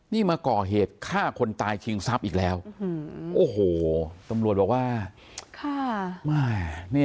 นี่มาก่อเหตุฆ่าคนตายชิงทรัพย์อีกแล้วโอ้โหตำรวจบอกว่า